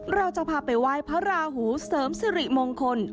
เราจะพาไปไหว้พระราหูเสริมสิริมงคล